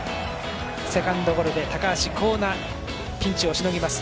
セカンドゴロで高橋光成ピンチをしのぎます。